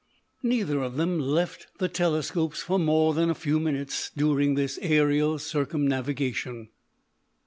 Neither of them left the telescopes for more than a few minutes during this aerial circumnavigation.